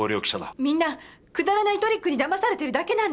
みんなくだらないトリックに騙されてるだけなんです！